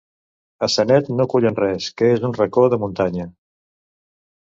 A Sanet no cullen res, que és un racó de muntanya.